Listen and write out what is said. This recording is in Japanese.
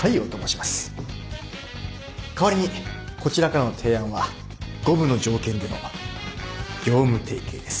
代わりにこちらからの提案は五分の条件での業務提携です。